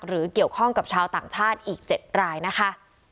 หรือเกี่ยวข้องกับชาวต่างชาติอีก๗รายนะคะ